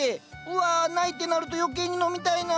うわ無いってなると余計に飲みたいな。